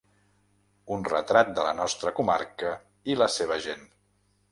Un retrat de la nostra comarca i la seva gent.